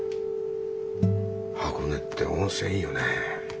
箱根って温泉いいよね